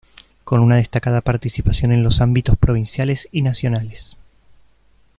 Con una destacada participación en los ámbitos provinciales y nacionales.